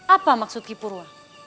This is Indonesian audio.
apa maksud kipurwa